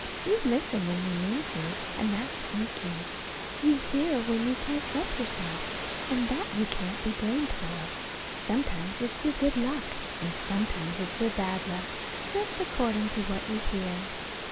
You listen when you mean to, and that's sneaking. You hear when you can't help yourself, and that you can't be blamed for. Sometimes it's your good luck, and sometimes it's your bad luck just according to what you hear!